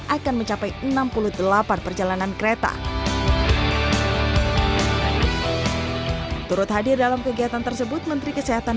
dua ribu dua puluh empat akan mencapai enam puluh delapan perjalanan kereta turut hadir dalam kegiatan tersebut menteri kesehatan